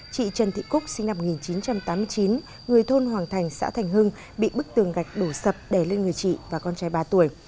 chị trần thị cúc sinh năm một nghìn chín trăm tám mươi chín người thôn hoàng thành xã thành hưng bị bức tường gạch đổ sập đè lên người chị và con trai ba tuổi